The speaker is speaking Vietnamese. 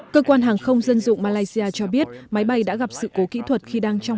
cơ quan hàng không dân dụng malaysia cho biết máy bay đã gặp sự cố kỹ thuật khi đang trong